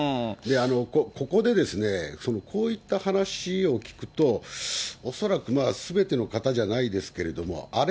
ここでですね、こういった話を聞くと、恐らくすべての方じゃないですけれども、あれ？